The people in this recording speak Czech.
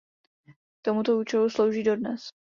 K tomuto účelu slouží dodnes.